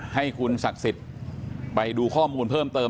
ให้คุณศักดิ์สิทธิ์ไปดูข้อมูลเพิ่มเติม